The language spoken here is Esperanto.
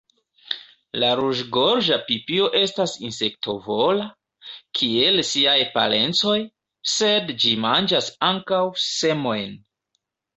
La Ruĝgorĝa pipio estas insektovora, kiel siaj parencoj, sed ĝi manĝas ankaŭ semojn.